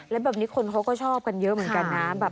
แล้วแบบนี้คนเขาก็ชอบกันเยอะเหมือนกันนะ